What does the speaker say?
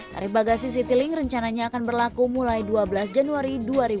tarif bagasi citylink rencananya akan berlaku mulai dua belas januari dua ribu dua puluh